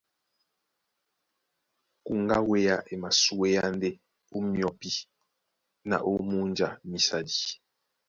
Ndé kuŋgá á wéá e masúéá ndé ó myɔpí na ó múnja mísadi.